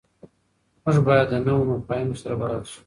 موږ باید د نویو مفاهیمو سره بلد شو.